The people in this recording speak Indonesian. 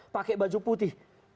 pakai baju putih